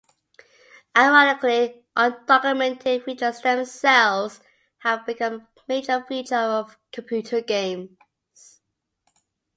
Ironically, undocumented features themselves have become a major feature of computer games.